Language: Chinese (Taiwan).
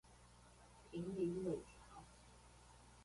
坪林尾橋